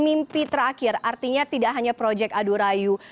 mimpi terakhir artinya tidak hanya projek aduh rayu